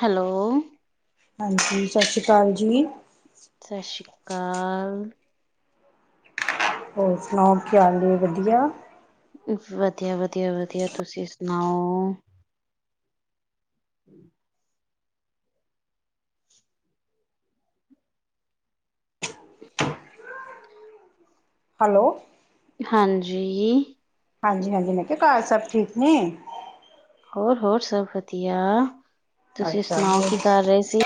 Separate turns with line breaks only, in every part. Hello.
ਹਾਂਜੀ, ਸਤਿ ਸ਼੍ਰੀ ਅਕਾਲ ਜੀ।
ਸਸ਼੍ਰੀ ਅਕਾਲ।
ਹੋਰ ਸੁਣਾਓ ਕੀ ਹਾਲ ਏ ਵਧੀਆ।
ਵਧੀਆ- ਵਧੀਆ- ਵਧੀਆ ਤੁਸੀਂ ਸੁਣਾਓ। [inaudible]
ਹੈਲੋ।
ਹਾਂਜੀ।
ਹਾਂਜੀ, ਹਾਂਜੀ ਮੈਂ ਕਿਹਾ ਘਰ ਸਭ ਠੀਕ ਨੇ
ਹੋਰ ਹੋਰ ਸਭ ਵਧੀਆ ਤੁਸੀਂ
ਅੱਛਾ
ਸੁਣਾਓ
ਹੋਰ
ਕੀ ਕਰ ਰਹੇ ਸੀ।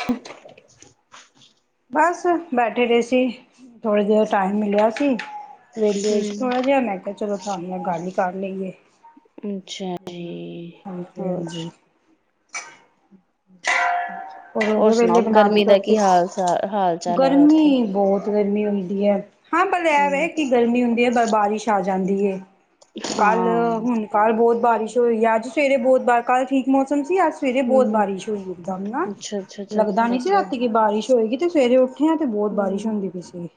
ਬਸ ਬੈਠੇ ਜਿਹੇ ਸੀ, ਥੋੜ੍ਹੀ ਦੇਰ ਟਾਈਮ ਮਿਲਿਆ ਸੀ। ਵੇਲੇ ਹੋਏ ਸੀ
ਹੂੰ,
ਥੋੜ੍ਹਾ ਜਿਹਾ, ਮੈਂ ਕਿਹਾ ਚਲੋ ਤੁਹਾਡੇ ਨਾਲ ਗੱਲ ਹੀ ਕਰ ਲਈਏ।
ਅੱਛਾ
ਹਮ,
ਜੀ
ਹੋਰ ਤੇ ਹਾਂਜੀ। ਉਹ ਹੋ
ਹੋਰ
ਗਏ ਵਿਹਲੇ
ਸੁਣਾਓ
ਬਣਾ ਲਈ
ਗਰਮੀ ਦਾ
ਰੋਟੀ।
ਕੀ ਹਾਲ ਹਾਲ ਚਾਲ ਹੈਗਾ ਉੱਥੇ
ਗਰਮੀ ਬਹੁਤ ਗਰਮੀ ਹੁੰਦੀ ਹੈ। ਹਾਂ ਪਰ ਇਹ ਵ
ਹੂੰ,
ਕਿ ਗਰਮੀ ਹੁੰਦੀ ਹੈ। ਪਰ ਬਾਰਿਸ਼ ਆ ਜਾਂਦੀ ਏ
ਹਾਂ
ਕੱਲ੍ਹ ਹੁਣ ਕੱਲ੍ਹ ਬਹੁਤ ਬਾਰਿਸ਼ ਹੋਈ, ਅੱਜ ਸਵੇਰੇ ਬਹੁਤ ਬਾਰ ਕੱਲ੍ਹ ਠੀਕ ਮੌਸਮ ਸੀ ਅੱਜ ਸਵੇਰੇ
ਹੂੰ
ਬਹੁਤ
ਹੂੰ,
ਬਾਰਿਸ਼ ਹੋਈ ਇਕਦਮ ਨਾ
ਅੱਛਾ ਅੱਛਾ ਅੱਛਾ
ਲੱਗਦਾ
ਅੱਛਾ
ਨੀ ਸੀ
ਅੱਛਾ
ਰਾਤੀ ਕੀ ਬਾਰਿਸ਼ ਹੋਏਗੀ ਤੇ ਸਵੇਰੇ ਉੱਠ ਕਿਉਂ ਉੱਥੇ ਬਹੁਤ ਬਾਰਿਸ਼
ਹਮ
ਹੁੰਦੀ ਪਈ ਸੀਗੀ,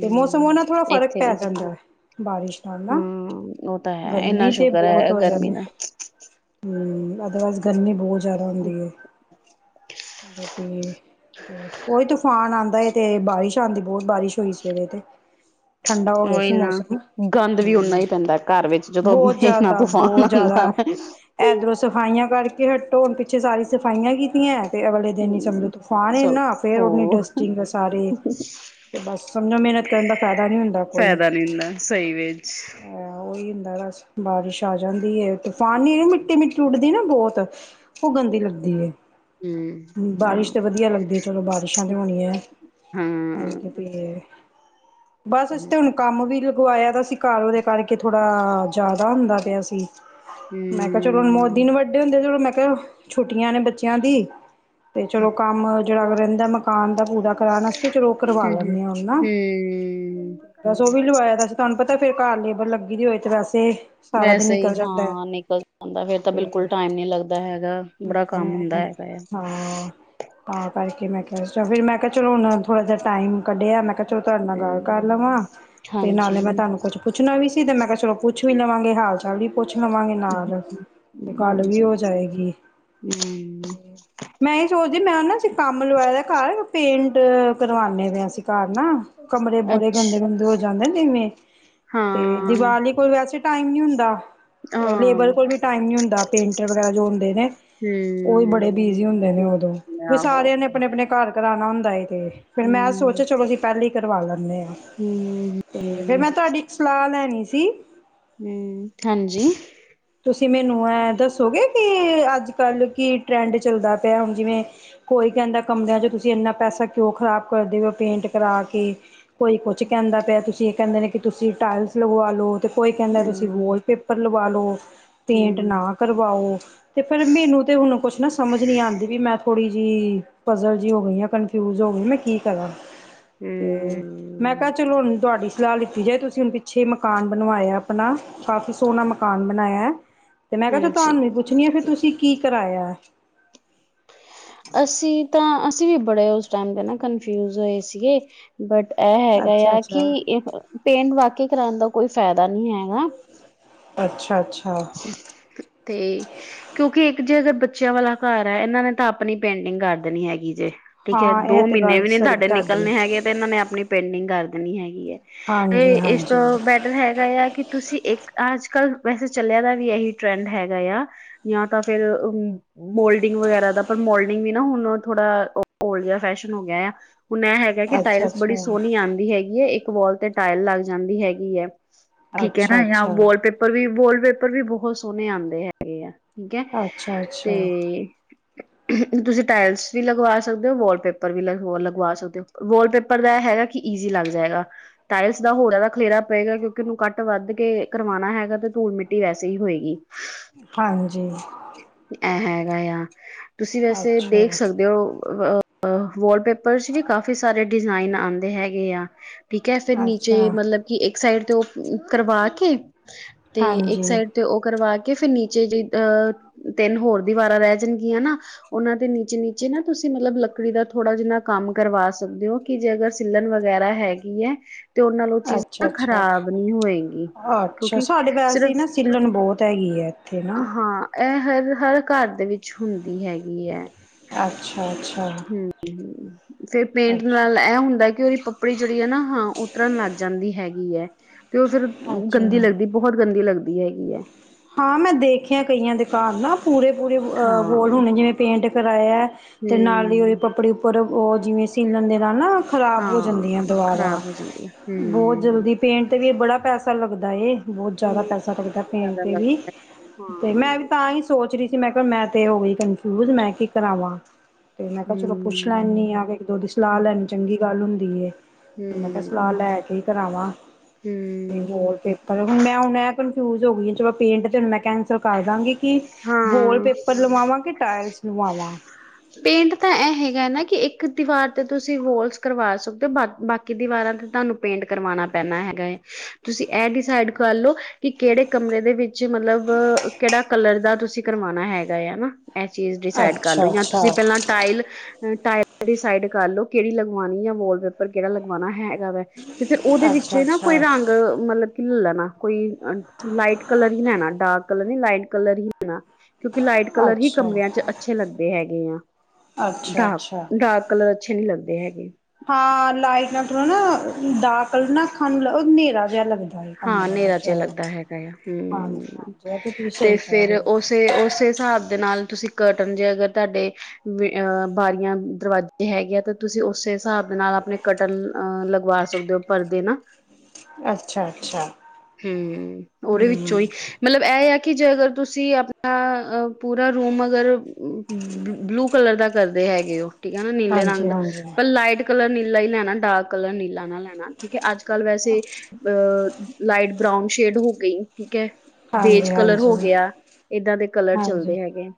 ਤੇ ਮੌਸਮ ਉਹ ਨਾਂ ਥੋੜਾਂ ਫ਼ਰਕ
ਇੱਥੇ ਵੀ
ਪੈ ਜਾਂਦਾ ਹੈ ਬਾਰਿਸ਼ ਹਨਾ,
ਹਾਂ ਉਹ ਤਾਂ ਹੈ ਇੰਨਾ
ਗਰਮੀਂ ਤੇ
ਸ਼ੁਕਰ
ਬਹੁਤ
ਹੈ
ਹੋ
ਗਰਮੀ
ਜਾਂਦੀ ਏ
ਦਾ
ਹਮ ਅਦਰਵਾਈਜ਼ ਗਰਮੀਂ ਬਹੁਤ ਜ਼ਿਆਦਾ ਹੁੰਦੀ ਏ ਬਾਕੀ ਹੋਰ, ਉਹੀਂ ਤੂਫ਼ਾਨ ਆਉਂਦਾ ਏ ਤੇ ਬਾਰਿਸ਼ ਆਉਂਦੀ, ਬਹੁਤ ਬਾਰਿਸ਼ ਹੋਈ ਸਵੇਰੇ ਤੇ ਠੰਡਾ ਹੋ ਗਿਆ
ਓਈ
ਸੀ
ਨਾ,
ਮੌਸਮ
ਗੰਦ ਵੀ
ਹਮ
ਓਨਾਂ ਹੀ ਪੈਂਦਾ ਘਰ ਵਿੱਚ ਜਦੋਂ
ਬਹੁਤ
ਇੰਨ੍ਹਾਂ ਤੂਫਾਨ ਆਉਂਦਾ [inaudible]
ਏਧਰੋਂ ਸਫਾਈਆਂ ਕਰਕੇ ਹਟੋ, ਪਿੱਛੇ ਸਾਰੀ ਸਫਾਈਆਂ ਕੀਤੀਆਂ, ਤੇ ਅਗਲੇ ਦਿਨ ਹੀ ਸਮਝੋ ਤੂਫ਼ਾਨ
ਚਲੋ
ਇਨਾਂ ਫ਼ਿਰ ਉਹਨੀ
ਹੋਰ।
ਡਸਟਿੰਗ ਸਾਰੇ ਤੇ ਬਸ ਸਮਝੋਂ ਮਿਹਨਤ ਕਰਨ ਦਾ ਫ਼ਾਇਦਾ ਨੀਂ ਹੁੰਦਾ ਕੋਈ
ਫਾਇਦਾ ਨੀ ਹੁੰਦਾ ਸਹੀ ਵਿੱਚ।
ਆਇਆ ਉਹੀ ਹੁੰਦਾ ਬਸ, ਬਾਰਿਸ਼ ਆ ਜਾਂਦੀ ਤੂਫ਼ਾਨੀ ਮਿੱਟੀ- ਮਿੱਟੀ ਉੱਡਦੀ ਨਾ ਬਹੁਤ ਉਹ ਗੰਦੀ ਲੱਗਦੀ ਹੈ
ਹਮ
ਹ ਬਾਰਿਸ਼
ਹਾਂ।
ਤੇ ਵਧੀਆਂ ਲੱਗਦੀ ਚਲੋਂ ਬਾਰਿਸ਼ਾਂ ਤੇ ਹੋਣੀਆਂ ਏ,
ਹਾਂ
ਹਜੇ ਤੇ
ਹਮ।
ਤੇ, ਬਸ ਅਸੀਂ ਤੇ ਹੁਣ ਕੰਮ ਵੀ ਉਹ ਆਇਆਂ ਤਾਂ ਸੀ, ਘਰ ਉਹਦੇ ਕਰਕੇ ਥੋੜਾ, ਜ਼ਿਆਦਾ ਹੁੰਦਾ ਪਿਆ ਸੀ, ਮੈਂ ਮੈਂ ਕਿਹਾ ਚਲੋ ਬਹੁਤ
ਹਮ
ਦਿਨ ਵੱਡੇ ਹੁੰਦੇ ਚਲੋ ਮੈਂ ਕਿਹਾਂ ਛੁੱਟੀਆਂ ਨੇ ਬੱਚਿਆਂ ਦੀ ਤੇ ਚਲੋ ਕੰਮ ਜਿਹੜਾ ਰਹਿੰਦਾ ਮਕਾਨ ਦਾ ਪੂਰਾ ਕਰਾਉਣ ਵਾਸਤੇ ਚਲੋ ਉਹ ਕਰਵਾ ਲੈਂਦੇ ਆਂ ਹੁਣ ਨਾ
ਹਮ।
ਬਸ ਉਹ ਵੀ ਲਵਾਇਆ ਤਾਂ ਸੀ ਤੁਹਾਨੂੰ ਪਤਾ ਫੇਰ ਘਰ ਲੇਬਰ ਲੱਗੀ ਦੀ ਹੋਏ ਤੇ ਵੈਸੇ ਸਾਰਾ ਦਿਨ
ਵੈਸੇ ਹੀ,
ਨਿਕਲ ਜਾਂਦਾ ਹੈ
ਹਾਂ ਨਿਕਲ ਜਾਂਦਾ ਫੇਰ ਤਾਂ ਬਿਲਕੁੱਲ
ਤੇ
ਟਾਈਮ ਨਹੀਂ ਲੱਗਦਾ ਹੈਗਾ ਬੜਾ ਕੰਮ ਹੁੰਦਾ
ਹਮ
ਹੈਗਾ ਆ
ਹਾਂ ਤਾਂ ਕਰਕੇ ਮੈਂ ਕਿਹਾ ਫਿਰ ਮੈਂ ਕਿਹਾ ਚਲੋ ਹੁਣ ਥੋੜਾ ਜਿਹਾ ਟਾਈਮ ਕੱਢਿਆ, ਮੈਂ ਕਿਹਾ ਚਲੋ ਤੁਹਾਡੇ ਨਾਲ ਗੱਲ ਕਰ
ਹਮ
ਲਵਾਂ, ਤੇ
ਹਾਂਜੀ।
ਨਾਲੇ ਮੈਂ ਤੁਹਾਨੂੰ ਕੁੱਛ ਪੁੱਛਣਾਂ ਵੀ ਸੀ ਤੇ ਮੈਂ ਕਿਹਾਂ ਚਲੋ ਪੁੱਛ ਵੀ ਲਵਾਂਗੇ ਹਾਲ ਚਾਲ ਵੀ ਪੁੱਛ ਲਵਾਂਗੇ, ਨਾਲ ਤੇ ਗੱਲ ਵੀ
ਹਾਂਜੀ
ਹੋ ਜਾਏਗੀ।
ਹਮ।
[inaudible] ਮੈਂ ਏ ਸੋਚਦੀ ਮੈਂ ਨਾ ਕੰਮ ਲਵਾਏ ਦਾ ਘਰ ਪੇਂਟ ਕਰਵਾਨੇ ਪੇ ਆ ਅਸੀਂ ਘਰ ਨਾ ਕਮਰੇ ਬੜੇ
ਅੱਛ
ਗੰਦੇ ਗੰਦੇ ਹੋ ਜਾਂਦੇ ਨੇ ਜਿਵੇਂ ਤੇ
ਹਾਂ
ਦੀਵਾਲੀ ਕੋਈ ਵੈਸੇ ਟਾਈਮ ਨੀ ਹੁੰਦਾ। ਓ
ਹਾਂ
ਲੇਬਰ ਕੋਲ ਵੀ ਟਾਈਮ ਨੀ ਹੁੰਦਾ ਪੇਂਟਰ ਵਗੈਰਾ ਜੋ ਹੁੰਦੇ ਨੇ ਉਹ ਵੀ ਬੜੇ ਬਿਜੀ
ਹਮ
ਹੁੰਦੇ ਨੇ ਉਦੋਂ, ਵੀ
ਆਹੋ
ਸਾਰਿਆਂ ਨੇ ਆਪਣੇਂ ਆਪਣੇਂ ਘਰ ਕਰਾਉਣਾਂ ਹੁੰਦਾ ਏ, ਤੇ ਫੇਰ ਮੈਂ
ਹਮ
ਸੋਚਿਆ ਚਲੋਂ ਅਸੀਂ ਪਹਿਲਾਂ ਹੀ ਕਰਵਾ ਲੈਂਨੇ ਆ।
ਹਮ
ਫੇਰ
ਹਮ
ਮੈਂ ਤੁਹਾਡੀ ਇੱਕ ਸਲਾਹ ਲੈਂਣੀ ਸੀ।
ਹੂੰ, ਹਾਂਜੀ
ਤੁਸੀਂ ਮੈਨੂੰ ਐ ਦੱਸੋਗੇ ਕਿ ਅੱਜ ਕੱਲ੍ਹ ਕੀ ਟਰੈਂਡ ਚੱਲਦਾ ਪਿਆ ਹੁਣ ਜਿਵੇਂ- ਕੋਈ ਕਹਿੰਦਾਂ ਕਮਰਿਆਂ ਚ ਤੁਸੀਂ ਇੰਨਾ ਪੈਸਾਂ ਕਿਉਂ ਖ਼ਰਾਬ ਕਰਦੇਂ ਹੋ ਪੇਂਟ ਕਰਾਂ ਕੇ ਕੋਈ ਕੁਝ ਕਹਿੰਦਾ ਪਿਆ ਤੁਸੀਂ ਇਹ ਕਹਿੰਦੇ ਨੇ ਕਿ ਤੁਸੀਂ ਟਾਇਲਸ ਲਗਵਾ ਲਓ। ਕੋਈ ਕਹਿੰਦਾ ਤੁਸੀਂ
ਹਮ
ਵੋਲਪੇਪਰ ਲਵਾ ਲਓ। ਪੇਂਟ
ਹਮ
ਨਾ ਕਰਵਾਓ। ਤੇ ਫੇਰ ਮੈਨੂੰ ਤੇ ਹੁਣ ਕੁਛ ਨਾ ਸਮਝ ਨੀਂ ਆਂਦੀ ਵੀ ਮੈਂ ਥੋੜ੍ਹੀ ਜਿਹੀ ਪਜ਼ਲ ਜਿਹੀ ਹੋ ਗਈ ਆ ਕਨ ਫਿਊਜ਼ ਹੋ ਗਈਂ ਮੈਂ ਕੀ ਕਰਾਂ।
ਹੂੰ।
ਹੂੰ, ਮੈਂ ਕਿਹਾਂ ਚਲੋ ਹੁਣ ਤੁਹਾਡੀ ਸਲਾਹ ਲਿੱਤੀ ਜਾਏਂ ਤੁਸੀਂ ਹੁਣ ਪਿੱਛੇ ਮਕਾਨ ਬਣਵਾਇਆ ਆਪਣਾ। ਕਾਫ਼ੀ ਸੋਹਣਾਂ ਮਕਾਨ ਬਣਾਇਆਂ ਹੈ ਤੇ ਮੈਂ ਕਿਹਾਂ ਚਲ
ਹਾਂਜੀ
ਤੁਹਾਨੂੰ ਪੁੱਛਣੀ ਆਂ ਤੁਸੀਂ ਕੀ ਕਰਾਇਆ?
ਅਸੀਂ ਤਾਂ ਅਸੀਂ ਵੀ ਬੜੇ ਉਸ ਟਾਈਮ ਤੇ ਨਾ ਕੰਨਫਿਊਜ ਹੋਏ ਸੀਗੇ। ਬਟ ਇਹ ਹੈਗਾ
ਅੱਛਾ
ਆ
ਅੱਛਾ
ਕਿ ਪੇਂਟ ਵਾਕਿਆ ਕਰਾਂਣਾਂ ਦਾ ਕੋਈ ਫ਼ਾਇਦਾ ਨਹੀਂ ਹੈਗਾ।
ਅੱਛਾ, ਅੱਛਾ
ਤੇਂ ਕਿਉਂਕਿ ਇੱਕ ਜੇ ਅਗਰ ਬੱਚਿਆਂ ਵਾਲਾ ਘਰ ਹੈ ਇਹਨਾਂ ਨੇ ਤਾਂ ਆਪਣੀਂ ਪੇਂਟਿੰਗ ਕਰ ਦੇਣੀ ਹੈਗੀ ਜੇ। ਠੀਕ ਹੈ
ਹਾਂ ਇਹ
ਦੋ
ਤੇ
ਮਹੀਨੇ
ਗੱਲ
ਵੀ ਨਹੀਂ
ਸਹੀ
ਤੁਹਾਡੇ
ਤੁਹਾਡੀ
ਨਿਕਲਣੇ ਹੈਗੇ ਤੇ ਇਹਨਾਂ ਨੇ ਆਪਣੀਂ ਪੇਂਟਿੰਗ ਕਰ ਦੇਣੀ ਹੈਗੀ ਐ।
ਹਾਂਜੀ
ਤੇ ਇਸ ਤੋਂ
ਹਾਂਜੀ
ਬੈਟਰ ਹੈਗਾ ਆ ਕਿ ਤੁਸੀਂ ਇੱਕ ਅੱਜ ਕੱਲ ਵੈਸੇ ਚੱਲਿਆ ਦਾ ਵੀ ਇਹੀ ਟਰੈਂਡ ਹੈਗਾ ਆ ਜਾਂ ਤਾਂ ਫੇਰ ਅਮ ਮੋਲਡਿੰਗ ਵਗੈਰਾ ਦਾ ਪਰ ਮੋਲਡਿੰਗ ਵੀ ਨਾ ਹੁਣ ਥੋੜਾ ਔਲਡ ਜਿਆ ਫੈਸ਼ਨ ਹੋ ਗਿਆ ਐ। ਹੁਣ ਇਹ ਹੈਗਾ ਕਿ
ਅੱਛਾ
ਟਾਇਲਸ ਬੜੀ
ਅੱਛਾ
ਸੋਹਣੀ ਆਉਂਦੀ ਹੈਗੀ ਏ ਇੱਕ ਵਾਲ ਤੇ ਟਾਇਲ ਲੱਗ ਜਾਂਦੀ ਹੈਗੀ ਐਂ। ਠੀਕ ਹੈ
ਅੱਛਾ
ਨਾ ਜਾਂ
ਅੱਛਾ
ਵਾਲ ਪੇਪਰ ਵੀ ਵਾਲ ਪੇਪਰ ਵੀ ਬਹੁਤ ਸੋਹਣੇ ਆਉਂਦੇ ਹੈਗੇ ਐ। ਠੀਕ ਐ
ਅੱਛਾ
ਤੇ
ਅੱਛਾ
ਤੁਸੀਂ ਟਾਇਲਸ ਵੀ ਲਗਵਾ ਸਕਦੇ ਹੋ ਵਾਲਪੇਪਰ ਵੀ ਲ ਲਗਵਾ ਸਕਦੇ ਹੋ। ਵਾਲਪੇਪਰ ਪਰ ਇਹ ਹੈਗਾ ਕਿ ਈਜ਼ੀ ਲੱਗ ਜਾਏਗਾ। ਟਾਇਲਸ ਦਾ ਹੋਰ ਜਾਦਾ ਖਲੇਰਾ ਪਏਗਾ ਕਿਉਂਕਿ ਉਹਨੂੰ ਕੱਟ ਵਧ ਕੇ ਕਰਵਾਣਾ ਹੈਗਾ ਤੇ ਧੂਲ ਮਿੱਟੀ ਟੀ ਏਸੇ ਹੀ ਹੋਏਗੀ।
ਹਾਂਜੀ।
ਇਹ ਹੈਗਾ ਆ। ਤੁਸੀਂ ਵੈਸੇ
ਅੱਛਾ
ਦੇਖ ਸਕਦੇ ਹੋ ਅ ਆ ਵਾਲਪੇਪ ਪਰਸ ਚ ਵੀ ਕਾਫੀ ਸਾਰੇ ਡਿਜ਼ਾਇਨ ਆਂਦੇ ਹੈਗੇ ਆ। ਠੀਕ ਹੈ ਫੇਰ ਨੀਚੇ
ਅੱਛਾ
ਮਤਲਬ ਕਿ ਇੱਕ ਸਾਈਡ ਤੇ ਉਹ ਕਰਵਾ ਕੇ ਤੇ
ਹਾਂਜੀ
ਸਾਈਡ ਤੇ ਉਹ ਕਰਵਾ ਕੇ ਫਿਰ ਨੀਚੇ ਜਿ ਅਹ ਤਿੰਨ ਹੋਰ ਦੀਵਾਰਾਂ ਰਹਿ ਜਾਣਗੀਆਂ ਨਾ ਉਹਨਾਂ ਦੇ ਨੀਚੇ-ਨੀਚੇ ਨਾ ਤੁਸੀਂ ਮਤਲਬ ਲੱਕੜੀ ਦਾ ਥੋੜ੍ਹਾ ਜਿਨਾ ਕੰਮ ਕਰਵਾ ਸਕਦੇ ਹੋ। ਕਿ ਜੇ ਅਗਰ ਸਿਲਣ ਵਗੈਰਾ ਹੈਗੀ ਐ। ਤੇ ਉਹ ਨਾਲ ਉਹ ਚੀਜ਼
ਅੱਛਾ
ਨਾ
ਅੱਛਾ
ਖ਼ਰਾਬ ਨਹੀਂ ਹੋਏਗੀ ਕਿਉਂਕਿ ਸਿਰਫ
ਸਿਲਣ ਬਹੁਤ ਹੈਗੀ ਐ।
ਹਾਂ ਇਹ ਹਰ, ਹਰ ਘਰ ਦੇ ਵਿੱਚ ਹੁੰਦੀ ਹੈਗੀ ਐ।
ਅੱਛਾ, ਅੱਛਾ।
ਹੂੰ, ਫੇਰ ਪੇਂਟ
ਅੱਛਾ
ਨਾਲ ਇਹ ਹੁੰਦਾ ਕਿ ਉਹਦੀ ਪੱਪੜੀ ਜਿਹੜੀ ਹੈ ਨਾ, ਹਾਂ ਉਤਰਨ ਲੱਗ ਜਾਂਦੀ ਹੈਗੀ ਹੈ ਤੇ ਉਹ ਫੇਿਰ
ਅੱਛਾ
ਗੰਦੀ ਲੱਗਦੀ। ਬਹੁਤ ਗੰਦੀ ਲੱਗਦੀ ਹੈਗੀ ਹੈ।
ਹਾਂ, ਮੈਂ ਦੇਖਿਆ ਕਈਆਂ ਦੇ ਘਰ ਨਾ ਪੂਰੇ ਪੂਰੇ, ਅਹ
ਹਾਂ
ਬੋਲ ਹੁਣੇ ਜਿਵੇਂ ਪੇਂਟ ਕਰਾਇਆ ਤੇ ਨਾਲ ਹੀ ਉਦੀ
ਹੂੰ
ਪੱਪੜੀ ਉੱਪਰ ਉਹ ਜਿਵੇਂ ਸੀਲਣ ਦੇ ਨਾਲ ਨਾ, ਖ਼ਰਾਬ ਹੋ ਜਾਂਦੀਆਂ
ਹਾਂ
ਦੁਵਾਰਾ
ਖ਼ਰਾਬ ਹੋ ਜਾਂਦੀ ਆ ਹੂੰ
ਬਹੁਤ ਜਲਦੀ ਪੇਂਟ ਤੇ ਵੀ ਬੜਾ ਪੈਸਾ ਲੱਗਦਾ ਏ, ਬਹੁਤ ਜ਼ਿਆਦਾ ਪੈਸਾ ਲੱਗਦੈ ਪੇਂਟ
ਜ਼ਿਆਦਾ
ਤੇ
ਲੱਗ
ਵੀ,
ਹਾਂ
ਤੇ ਮੈਂ ਵੀ
ਹੂੰ
ਤਾਂ ਹੀ ਸੋਚ ਰਹੀ ਸੀ, ਮੈਂ ਕਿਹਾ ਮੈਂ ਤੇ ਹੋ ਗਈ ਕਨਫਿਊਜ, ਮੈਂ ਕੀ ਕਰਾਵਾਂ? ਤੇ ਮੈਂ ਕਿਹਾ ਚਲੋ ਪੁੱਛ
ਹੂੰ
ਲੈਨੀ ਆ, ਕਿ ਇੱਕ ਦੋ ਦੀ ਸਲਾਹ ਲੈਣੀ ਚੰਗੀ ਗੱਲ ਹੁੰਦੀ ਏ। ਕਿ ਮੈਂ ਕਿਹਾ, ਸਲਾਹ ਲੈ ਕੇ ਈ ਕਰਾਵਾਂ। ਤੇ
ਹੂੰ
ਵੋਲ ਪੇਪਰ, ਹੁਣ ਮੈਂ ਹੁਣ ਐ ਕਨਫਿਊਜ ਹੋ ਗਈ, ਚਲੋ ਪੇਂਟ ਤੇ ਹੂੰ ਮੈਂ ਕੈਂਸਲ ਕਰ ਦਾਂਗੀ ਕਿ ਵੋਲ ਪੇਪਰ
ਹਾਂ
ਲਵਾਵਾਂ, ਕਿ ਟਾਇਲਸ ਲਵਾਵਾਂ?
ਪੇਂਟ ਤਾਂ ਇਹ ਹੈਗਾ ਨਾ, ਕਿ ਇੱਕ ਦੀਵਾਰ ਤੇ ਤੁਸੀਂ ਵੋਲਸ ਕਰਵਾ ਸਕਦੇ ਹੋ ਬਾ ਬਾਕੀ ਕੇ ਦੀਵਾਰਾਂ ਤੇ, ਤੁਹਾਨੂੰ ਪੇਂਟ ਕਰਵਾਉਣਾ ਪੈਣਾ ਹੈਗਾ ਏ। ਤੁਸੀਂ ਇਹ ਡਿਸਾਈਡ ਕਰ ਲਓ, ਕਿ ਕਿਹੜੇ ਕਮਰੇ ਦੇ ਵਿੱਚ ਮਤਲਬ ਕਿਹੜਾ ਕਲਰ ਦਾ ਤੁਸੀਂ ਕਰਵਾਉਣਾ ਹੈਗਾ ਏ ਨਾ, ਇਹ ਚੀਜ਼ ਡਿਸਾਈਡ ਕਰ ਲਓ
ਅੱਛਾ
ਜਾਂ
ਅੱਛਾ
ਤੁਸੀਂ ਪਹਿਲਾਂ ਟਾਇਲ, ਟਾਇਲ ਡਿਸਾਈਡ ਕਰ ਲੋ ਕਿਹੜੀ ਲਗਵਾਣੀ ਆਂ, ਵਾਲਪੇਪਰ ਕਿਹੜਾ ਲਗਵਾਉਣਾ ਹੈਗਾ ਵਾ। ਤੇ ਫੇਿਰ ਉਹਦੇ ਵਿੱਚੋਂ
ਅੱਛਾ
ਹੀ ਨਾ, ਕੋਈ
ਅੱਛਾ
ਰੰਗ ਮਤਲਬ ਕਿ ਲੈ ਲੈਣਾ। ਕੋਈ ਲਾਈਟ ਕਲਰ ਹੀ ਲੈਣਾ, ਡਾਰਕ ਕਲਰ ਨੀ ਲਾਈਟ ਕਲਰ ਹੀ ਣਾ, ਕਿਉਂਕਿ ਲਾਈਟ ਕਲਰ ਹੀ
ਅੱਛਾ
ਕਮਰਿਆਂ 'ਚ ਅੱਛੇ ਲੱਗਦੇ ਹੈਗੇ।
ਅੱਛਾ
ਡਾਰਕ,
ਅੱਛਾ
ਡਾਰਕ ਕਲਰ ਅੱਛੇ ਨਹੀਂ ਲੱਗਦੇ ਹੈਗੇ।
ਹਾਂ ਲਾਈਟ ਨਾ ਥੋੜਾ ਨਾ, ਡਾਰਕ ਕਲਰ ਨਾ ਅੱਖਾਂ ਨੂੰ ਹਨੇਰਾ ਜਿਹਾ ਲੱਗਦਾ। ਹੈ
ਹਾਂ
ਕਮਰੇ
ਹਨੇਰਾ
ਵਿੱਚ
ਜਿਹਾ ਲੱਗਦਾ ਹੈਗਾ ਆ,
ਹਾਂਜੀ
ਹਮ
ਹਾਂਜੀ ਇਹ ਤੁਸੀਂ
ਤੇ
ਸਹੀ ਕਹਿ
ਫਿਰ
ਰਹੇ ਹੋ
ਉਸ ਤੇ ਉਸੇ ਹਿਸਾਬ ਦੇ ਨਾਲ, ਤੁਸੀਂ ਕਰਟਨ ਜੇ ਅਗਰ ਤੁਹਾਡੇ ਅਹ ਬਾਰੀਆਂ ਦਰਵਾਜ਼ੇ ਹੈਗੇ ਆ ਤੇ, ਤੁਸੀਂ ਉਸੇ ਹਿਸਾਬ ਦੇ ਨਾਲ ਆਪਣੇ ਕਟਲ ਅ ਲਗਵਾ ਸਕਦੇ ਹੋ, ਪਰਦੇ ਨਾ
ਅੱਛਾ, ਅੱਛਾ।
ਹਮ, ਉਹਦੇ
ਹਮ
ਵਿੱਚੋਂ ਹੀ ਮਤਲਬ ਇਹ ਆ ਕਿ ਜੇ ਅਗਰ ਤੁਸੀਂ ਆਪਣਾ, ਪੂਰਾ ਰੂਮ ਅਗਰ ਬਲੂ ਕਲਰ ਦਾ ਕਰਦੇ ਹੈਗੇ ਹੋ ਠੀਕ ਹੈ ਨਾ ਨੀਲੇ ਰੰਗ
ਹਾਂਜੀ
ਦਾ,
ਹਾਂਜੀ
ਪਰ ਲਾਈਟ ਕਲਰ ਨੀਲਾ ਹੀ ਲੈਣਾ ਡਾਰਕ ਕਲਰ ਨੀਲਾ ਨਾ ਲੈਣਾ, ਠੀਕ ਹੈ। ਅੱਜ ਕੱਲ ਵੈਸੇ, ਅਹ ਲਾਈਟ ਬਰਾਊਨ ਸ਼ੇਡ ਹੋ ਗਈ, ਠੀਕ ਹੈ। ਬੇਜ
ਹਾਂਜੀ
ਕਲਰ ਹੋ
ਹਾਂਜੀ
ਗਿਆ, ਏਦਾਂ ਦੇ ਕਲਰ
ਹਾਂਜੀ
ਚੱਲਦੇ ਹੈਗੇ।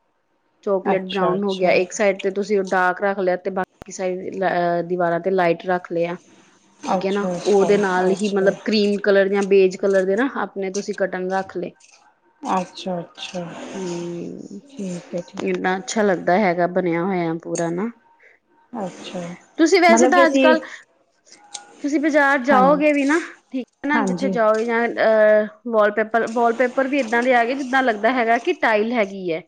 ਚੌਕਲੇਟ
ਅੱਛਾ
ਬਰਾਊਨ ਹੋ ਗਿਆ,
ਅੱਛਾ
ਇੱਕ ਸਾਈਡ ਤੇ ਤੁਸੀਂ ਉਹ ਡਾਰਕ ਰੱਖ ਲਿਆ, ਤੇ ਬਾਕੀ ਸਾਈਡ ਦੀਵਾਰਾਂ ਤੇ ਲਾਈਟ ਰੱਖ ਲਿਆ। ਠੀਕ ਹੈ ਨਾ,
ਅੱਛਾ
ਉਹਦੇ ਨਾਲ
ਅੱਛਾ
ਹੀ
ਅੱਛਾ
ਮਤਲਬ ਕਰੀਮ ਕਲਰ ਜਾਂ ਬੇਜ ਕਲਰ ਦੇ ਨਾ, ਆਪਣੇ ਤੁਸੀਂ ਕਰਟੈਂ ਰੱਖ ਲਏ।
ਅੱਛਾ ਅੱਛਾ
ਤੇ,
ਠੀਕ ਹੈ ਠੀਕ
ਇਹ ਅੱਛਾ ਲੱਗਦਾ ਹੈਗਾ, ਬਣਿਆ ਹੋਇਆ ਪੂਰਾ ਨਾ।
ਹੈ ਅੱਛਾ
ਤੁਸੀਂ ਵੈਸੇ
ਮਤਲਬ ਕਿ
ਤਾਂ ਅੱਜ
ਅਸੀਂ
ਕੱਲ ਤੁਸੀਂ ਬਾਜ਼ਾਰ
ਹਾਂਜੀ
ਜਾਓਗੇ ਵੀ ਨਾ, ਠੀਕ ਹੈ ਨਾ ਜਿੱਥੇ
ਹਾਂਜੀ
ਜਾਓਗੇ ਜਾਂ ਅਹ ਵਾਲਪੇਪਰ, ਵਾਲਪੇਪਰ ਵੀ ਇੱਦਾਂ ਦੇ ਆ ਗਏ ਜਿੱਦਾਂ ਲੱਗਦਾ ਹੈਗਾ ਕਿ ਟਾਇਲ ਹੈਗੀ ਹੈ।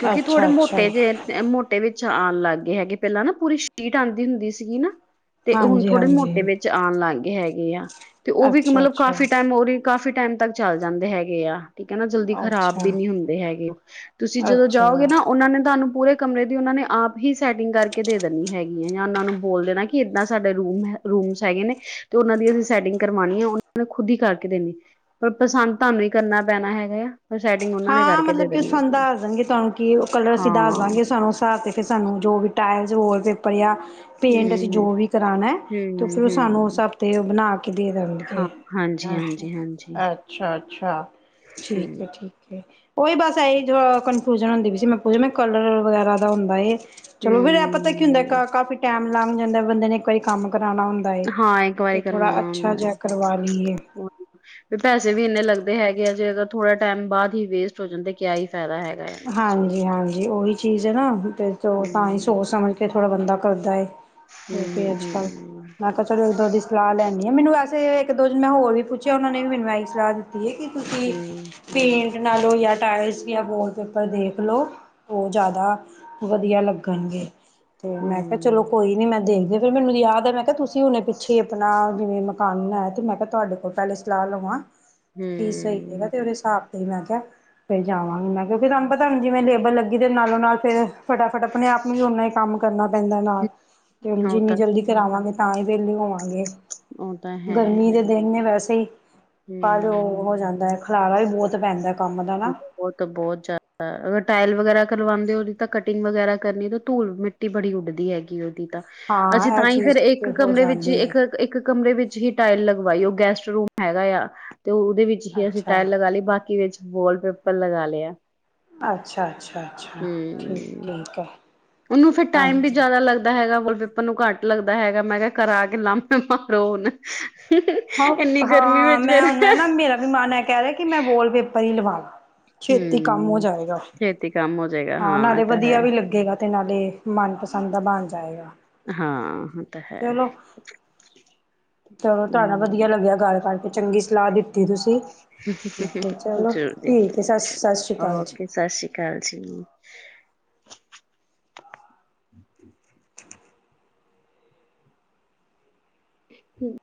ਕਿਉਂਕਿ ਥੋੜੇ
ਅੱਛਾ ਅੱਛਾ
ਮੋਟੇ ਜਿਹੇ ਮੋਟੇ ਵਿੱਚ ਆਉਣ ਲੱਗ ਗਏ ਹੈਗੇ, ਪਹਿਲਾਂ ਨਾ ਪੂਰੀ ਸ਼ੀਟ ਆਉਂਦੀ ਹੁੰਦੀ ਸੀਗੀ ਨਾ। ਤੇ ਹੁਣ
ਹਾਂਜੀ
ਥੋੜੇ
ਹਾਂਜੀ
ਮੋਟੇ ਵਿੱਚ ਆਉਣ ਲੱਗ ਗਏ ਹੈਗੇ ਆ, ਤੇ ਉਹ ਵੀ
ਅੱਛਾ
ਮਤਲਬ
ਅੱਛਾ
ਕਾਫ਼ੀ ਟਾਈਮ ਉਹਦੀ ਕਾਫ਼ੀ ਟਾਈਮ ਤੱਕ ਚੱਲ ਜਾਂਦੇ ਹੈਗੇ ਆ। ਠੀਕ ਹੈ ਨਾ ਜਲਦੀ ਖਰਾਬ ਵੀ
ਅੱਛਾ
ਨਹੀਂ ਹੁੰਦੇ ਹੈਗੇ, ਤੁਸੀਂ ਜਦੋਂ ਜਾਓਗੇ
ਅੱਛਾ
ਨਾ ਉਹਨਾਂ ਨੇ ਤੁਹਾਨੂੰ ਪੂਰੇ ਕਮਰੇ ਦੀ ਉਹਨਾਂ ਨੇ ਆਪ ਹੀ ਸੈਟਿੰਗ ਕਰਕੇ ਦੇ ਦੇਣੀ ਹੈਗੀ ਹੈ, ਜਾਂ ਉਹਨਾਂ ਨੂੰ ਬੋਲ ਦੇਣਾ ਕਿ ਏਦਾਂ ਸਾਡੇ ਰੂਮ ਰੂਮਸ ਹੈਗੇ ਨੇ ਤੇ ਉਹਨਾਂ ਦੀ ਅਸੀਂ ਸੈਟਿੰਗ ਕਰਵਾਉਣੀ ਆ, ਉਹਨਾਂ ਖੁਦ ਹੀ ਕਰਕੇ ਦੇਣੀ, ਪਰ ਪਸੰਦ ਤੁਹਾਨੂੰ ਹੀ ਕਰਨਾ ਪੈਣਾ ਹੈਗਾ ਆ। ਬਸ ਸਾਰਟੀਗ
ਹਾਂ, ਮਤਲਬ ਕਿ ਸਾਨੂੰ ਦੱਸ ਦੇਣਗੇ ਤੁਹਾਨੂੰ ਕਿ ਉਹ ਕਲਰ ਅਸੀਂ ਦੱਸ
ਹਾਂ
ਦਾਂਗੇ ਸਾਨੂੰ। ਤਾਂ ਤੇ ਫਿਰ ਸਾਨੂੰ ਜੋ ਵੀ ਟਾਇਲਸ, ਵਾਲਪੇਪਰ ਜਾਂ ਪੇਂਟ ਅਸੀਂ ਜੋ
ਹੂੰ
ਵੀ ਕਰਉਣਾ ਤੇ
ਹੂੰ
ਫਿਰ ਉਹ ਸਾਨੂੰ ਉਸ
ਹੂੰ
ਹਫ਼ਤੇ ਬਣਾ ਕੇ ਦੇ ਦੇਣਗੇ।
ਹਾਂ ਹਾਂਜੀ
ਗੇ ਅ
ਹਾਂਜੀ ਹਾਂਜੀ
ਅੱਛਾ-ਅੱਛਾ, ਠੀਕ ਹੈ,
ਹੂੰ
ਠੀਕ। ਓਹੀ ਬਸ ਇਹੀ ਜੋ ਕਨਫਿਊਜਨ ਹੁੰਦੀ ਵੀ ਸੀ, ਮੈਂ ਪੁੱਛ ਮ ਕਲਰ ਵਗੈਰਾ ਦਾ ਹੁੰਦਾ ਏ। ਚਲੋ ਫਿਰ ਇਹ ਪਤਾ ਕੀ ਹੁੰਦਾ
ਹੂੰ
ਕਾ ਕਾਫ਼ੀ ਟਾਈਮ ਲੱਗ ਜਾਂਦਾ ਬੰਦੇ ਨੇ। ਕਈ ਕੰਮ ਕਰਾਉਣਾ ਹੁੰਦਾ ਏ
ਹਾਂ ਇੱਕ ਵਾਰੀ
ਤੇ ਥੋੜਾ
ਕਰਵਾਣਾ
ਅੱਛਾ
ਹੁੰਦਾ ਹੈ
ਜਿਹਾ ਕਰਵਾ ਲਈਏ।
ਹੋਰ, ਵੀ ਪੈਸੇ ਵੀ ਇੰਨੇ ਲੱਗਦੇ ਹੈਗੇ ਆ, ਜੇ ਅਗਰ ਥੋੜ੍ਹਾ ਟਾਈਮ ਬਾਅਦ ਹੀ ਵੇਸਟ ਹੋ ਜਾਂਦਾ ਕਿਆ ਹੀ ਫਾਇਦਾ ਹੈ। ਨਾ ਉਸ ਚੀਜ਼
ਹਾਂਜੀ-ਹਾਂਜੀ, ਓਹੀ ਚੀਜ਼ ਹੈ ਨਾ ਤੇ ਤਾਂ ਹੀ
ਹੂੰ
ਸੋਚ ਸਮਝ ਕੇ ਥੋੜ੍ਹਾ ਬੰਦਾ ਕਰਦਾ ਏ।
ਹੂੰ
ਓਕੇ ਅੱਜ
ਹੂੰ
ਕੱਲ। ਮੈਂ ਕਿਹਾ ਚਲੋ ਦੋ ਦੀ ਸਲਾਹ ਲੈਣੀ ਆ, ਮੈਨੂੰ ਵੈਸੇ ਇੱਕ ਦੋ ਜਾਣਾ ਮੈ ਹੋਰ ਵੀ ਪੁੱਛਿਆ, ਉਹਨਾ ਨੇ ਵੀ ਮੈਨੂੰ ਇਹ ਹੀ ਸਲਾਹ ਕਿ ਤੁਸੀਂ
ਹੂੰ
ਪੇਂਟ ਨਾਲੋਂ ਜਾ ਟਾਇਲਸ ਜਾ ਵਾਲ ਪੇਪਰ ਦੇਖ ਲਓ, ਉਹ ਜ਼ਿਆਦਾ ਵਧੀਆ ਲੱਗਣਗੇ। ਤੇ ਮੈਂ ਕਿਹਾ ਚਲੋ
ਹੂੰ
ਕੋਈ ਨੀ ਮੈਂ ਦੇਖਦੇ, ਫਿਰ ਮੈਨੂੰ ਯਾਦ ਹੈ ਮੈਂ ਕਿਹਾ ਤੁਸੀਂ ਹੁਣੇ ਪਿੱਛੇ ਆਪਣਾ ਜਿਵੇਂ ਮਕਾਨ ਬਣਾਇਆ, ਮੈਂ ਕਿਹਾ ਤੁਹਾਡੇ ਕੋਲ ਪਹਿਲੇ ਸਲਾਹ ਲਵਾਂ, ਕੀ ਸਹੀ ਹੈਗਾ,
ਹੂੰ
ਤੇ ਉਹਦੇ ਹਿਸਾਬ ਤੇ ਮੈਂ ਕਿਹਾ ਫਿਰ ਜਾ
ਹਮ।।
ਮੈ ਕਿਹਾ ਫਿਰ ਤੁਹਾਨੂੰ ਪਤਾ ਹੁਣ ਜਿਵੇਂ ਲੇਬਰ ਲੱਗੀ, ਤੇ ਨਾਲੋਂ ਨਾਲ ਫਿਰ ਫਟਾਫਟ ਆਪਣੇ ਆਪ ਨੂੰ ਵੀ ਓਨਾ ਹੀ ਕੰਮ ਕਰਨਾ ਪੈਂਦਾ ਨਾਲ। ਤੇ ਹੁਣ
ਉਹ
ਜਿੰਨੀ
ਤਾਂ
ਜਲਦੀ ਕਰਾਵਾਂਗੇ ਤਾਂ ਹੀ ਵਿਹਲੇ ਹੋਵਾਗੇ,
ਉਹ ਤਾਂ ਹੈ
ਗਰਮੀ ਦੇ ਦਿਨ ਨੇ ਵੈਸੇ ਹੀ ਕੱਲ ਉਹ ਹੋ
ਹੂੰ
ਜਾਂਦਾ ਹੈ, ਖਲਾਰਾ ਵੀ ਬਹੁਤ ਪੈਂਦਾ ਕੰਮ ਦਾ ਨਾ।
ਉਹ ਤਾਂ ਬਹੁਤ ਜ਼ਿਆਦਾ, ਅਗਰ ਟਾਇਲ ਵਗੈਰਾ ਕਰਵਾਉਂਦੇ, ਉਹਦੀ ਤਾਂ ਕਟਿੰਗ ਵਗੈਰਾ ਕਰਨੀ ਤਾਂ ਧੁਲ ਮਿੱ ਮਿਟੀ ਬੜੀ ਉੱਡਦੀ ਹੈਗੀ ਉਹਦੀ ਤਾਂ ਅਸੀਂ
ਹਾਂ ਇਹ
ਤਾਂ ਹੀ ਫੇਰ
ਚੀਜ਼
ਇੱਕ
ਤੇ ਹੋ
ਕਮਰੇ ਵਿੱਚ
ਜਾਂਦੀ ਹੈ
ਇੱਕ ਇੱਕ ਕਮਰੇ ਵਿੱਚ ਹੀ ਟਾਇਲ ਲਗਵਾਈ, ਉਹ ਗੈਸਟ ਰੂਮ ਹੈਗਾ ਆ, ਤੇ ਉਹਦੇ ਵਿੱਚ ਤੇ ਅਸੀਂ
ਅੱਛਾ
ਟਾਇਲ ਲਗਾ ਲਈ ਬਾਕੀ ਵਿੱਚ ਵਾਲਪੇਪਰ ਲਗਾ ਲਿਆ।
ਅੱਛਾ-ਅੱਛਾ-ਅੱਛਾ, ਠੀਕ
ਹਮ
ਠੀਕ ਹੈ।
ਉਹਨੂੰ ਫਿਰ ਟਾਈਮ ਵੀ
ਹਾਂਜੀ
ਜ਼ਿਆਦਾ ਲੱਗਦਾ ਹੈਗਾ ਵਾਲਪੇਪਰ ਉਹਨੂੰ ਘੱਟ ਲੱਗਦਾ ਹੈਗਾ, ਮੈਂ ਕਿਹਾ ਕਰਾ ਕੇ ਲਮੇ ਮਾਰੋ ਹੁਣ।
ਹਾਂ,
ਇੰਨੀ ਗਰਮੀ
ਹਾਂ,
ਵਿੱਚ
ਮੈਂ
ਫੇਰ
ਹੁਣ ਨਾ, ਮੇਰਾ ਵੀ ਮਨ ਕਹਿ ਰਿਹਾ ਕਿ ਮੈਂ ਵਾਲਪੇਪਰ ਹੀ ਲਵਾ ਛੇਤੀ ਕੰਮ ਹੋ
ਹਮ
ਜਾਏਗਾ,
ਛੇਤੀ ਕੰਮ ਹੋ ਜਾਏਗਾ
ਹਾ
ਹਾਂ ਇਹ
ਨਾਲੇ
ਤਾਂ ਹੈ
ਵਧੀਆ ਵੀ ਲੱਗੇਗਾ ਤੇ ਨਾਲੇ ਮਨਪਸੰਦ ਦਾ ਬਣ ਜਾਏਗਾ,
ਹਾਂ ਇਹ ਤਾਂ ਹੈ
ਚਲੋ। ਚਲੋ ਤੁਹਾਡੇ ਨਾਲ ਵਧੀਆ
ਹੂੰ
ਲੱਗਿਆ ਗੱਲ ਕਰਕੇ ਚੰਗੀ ਸਲਾਹ ਦਿੱਤੀ ਤੁਸੀਂ। ਚਲੋ
ਜ਼ਰੂਰ ਜੀ
ਠੀਕ ਹੈ ਸ ਸਤਿ ਸ਼੍ਰੀ ਅਕਾਲ ਜੀ।
ਓਕੇ ਸਤਿ ਸ਼੍ਰੀ ਅਕਾਲ ਜੀ। ਹਮ [inaudible] ਹਮ